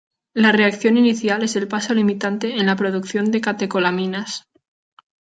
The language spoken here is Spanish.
La reacción inicial es el paso limitante en la producción de catecolaminas.